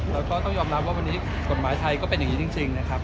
แล้วก็ต้องยอมรับว่าวันนี้กฎหมายไทยก็เป็นอย่างนี้จริงนะครับ